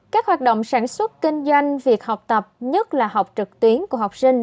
các hoạt động sản xuất kinh doanh việc học tập nhất là học trực tuyến của học sinh